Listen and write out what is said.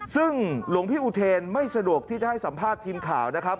ซึ่งหลวงพี่อุเทนไม่สะดวกที่จะให้สัมภาษณ์ทีมข่าวนะครับ